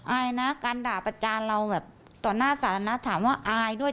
อายนะการด่าประจานเราแบบต่อหน้าสาธารณะถามว่าอายด้วย